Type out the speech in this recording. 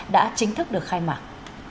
đã chính thức được khai mạng